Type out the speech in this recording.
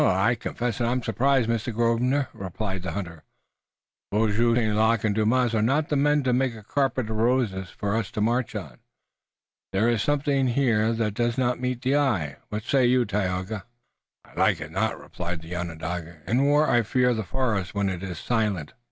"I confess that I'm surprised, Mr. Grosvenor," replied the hunter. "Beaujeu, St. Luc and Dumas are not the men to make a carpet of roses for us to march on. There is something here that does not meet the eye. What say you, Tayoga?" "I like it not," replied the Onondaga. "In war I fear the forest when it is silent."